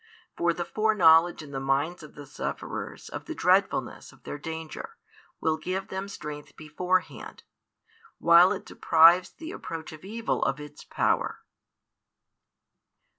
For the foreknowledge in the minds of the sufferers of the dreadfulness of their danger will give them strength beforehand, while it deprives the approach of evil of its power.